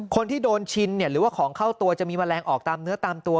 คนที่โดนชินหรือว่าของเข้าตัวจะมีแมลงออกตามเนื้อตามตัว